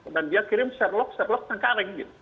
dan dia kirim share log share log cengkaring